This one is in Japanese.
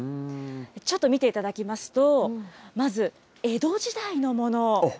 ちょっと見ていただきますと、まず、江戸時代のもの。